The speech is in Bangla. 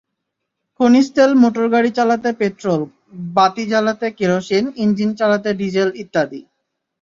খনিজ তেল মোটরগাড়ি চালাতে পেট্রল, বাতি জ্বালাতে কেরোসিন, ইঞ্জিন চালাতে ডিজেল ইত্যাদি।